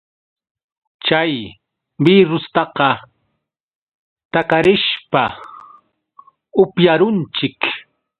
Chay birrustaqa takarishpa upyarunchik.